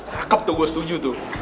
cakep tuh gue setuju tuh